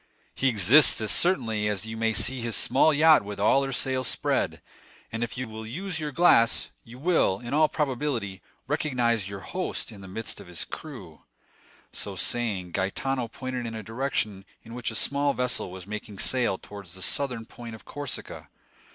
"He exists as certainly as that you may see his small yacht with all her sails spread; and if you will use your glass, you will, in all probability, recognize your host in the midst of his crew." So saying, Gaetano pointed in a direction in which a small vessel was making sail towards the southern point of Corsica.